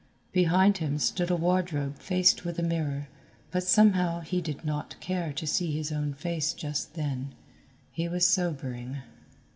Behind him stood a wardrobe faced with a mirror, but somehow he did not care to see his own face just then. He was sobering.